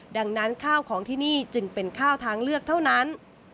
ดังนั้นข้าวของที่นี่จึงเป็นข้าวทางเลือกเท่านั้น